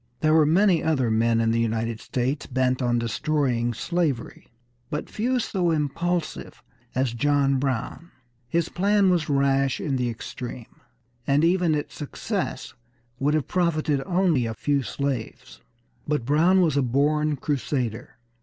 There were many other men in the United States bent on destroying slavery, but few so impulsive as John Brown. His plan was rash in the extreme, and even its success would have profited only a few slaves. But Brown was a born crusader.